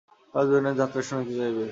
তারা দুজনে যাত্রা শুনিতে যাইবে।